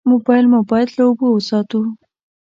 موبایل مو باید له اوبو وساتو.